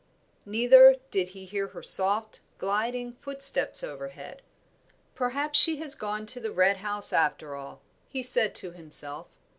Neither did he hear her soft, gliding footsteps overhead. "Perhaps she has gone to the Red House after all," he said to himself.